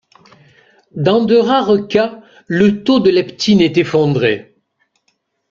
Dans de rares cas, le taux de leptine est effondré.